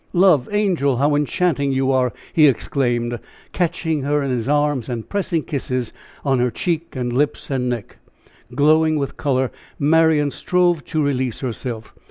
"Love! angel! how enchanting you are," he exclaimed, catching her in his arms and pressing kisses on her cheek and lips and neck. Glowing with color, Marian strove to release herself.